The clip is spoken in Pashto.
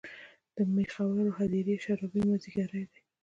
د میخورو هـــــدیره یې شــــــرابي مــــاځیګری دی